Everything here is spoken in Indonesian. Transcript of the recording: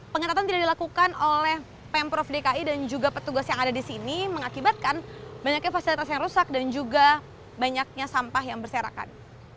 pengetatan tidak dilakukan oleh pemprov dki dan juga petugas yang ada di sini mengakibatkan banyaknya fasilitas yang rusak dan juga banyaknya sampah yang berserakan